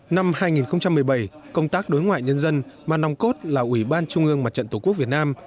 năm hai nghìn một mươi bảy công tác đối ngoại nhân dân mà nòng cốt là ủy ban trung ương mặt trận tổ quốc việt nam